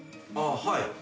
ああはい。